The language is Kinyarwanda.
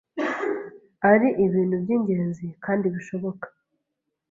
ari ibintu by'ingenzi kandi bishoboka